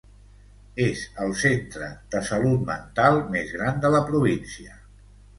És el centre de salut mental més gran de la província.